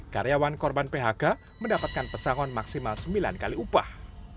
karyawan korban phk mendapatkan pesangon maksimal sembilan kali upah